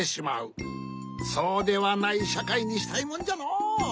そうではないしゃかいにしたいもんじゃのう。